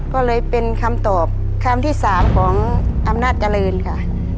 ก็เลยเป็นคำตอบคำที่๓ของอำนาจเจริญค่ะ